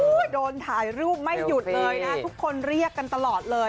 โดนถ่ายรูปไม่หยุดเลยนะทุกคนเรียกกันตลอดเลย